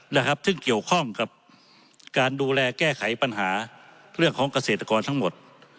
นะครับซึ่งเกี่ยวข้องกับการดูแลแก้ไขปัญหาเรื่องของเกษตรกรทั้งหมด